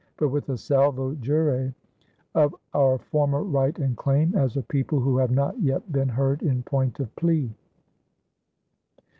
but with a salvo jure of our former right & claime, as a people who have not yet been heard in point of plea."